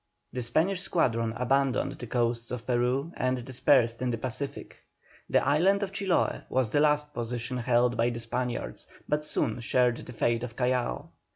The Spanish squadron abandoned the coasts of Peru and dispersed in the Pacific. The island of Chiloe was the last position held by the Spaniards, but soon shared the fate of Callao.